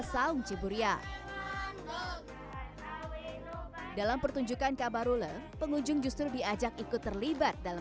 saung ciburian dalam pertunjukan kabarule pengunjung justru diajak ikut terlibat dalam